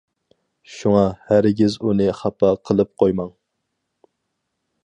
شۇڭا ھەرگىز ئۇنى خاپا قىلىپ قويماڭ.